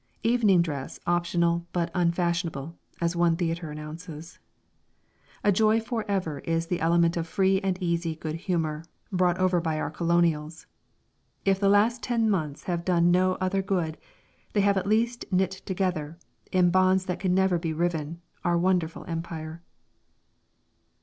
"Evening dress optional but unfashionable," as one theatre announces. A joy for ever is the element of free and easy good humour brought over by our Colonials. If the last ten months have done no other good, they have at least knit together, in bonds that can never be riven, our wonderful Empire.